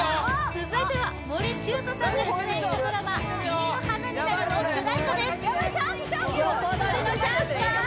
続いては森愁斗さんが出演したドラマ「君の花になる」の主題歌です横取りのチャンスか？